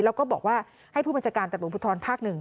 แล้วก็บอกว่าให้ผู้บัญชาการตำรวจผู้ทรพักหนึ่ง